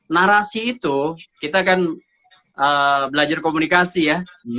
narasi itu kita kan belajar komunikasi ya